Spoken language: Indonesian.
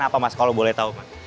apa mas kalau boleh tahu pak